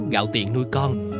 gạo tiện nuôi con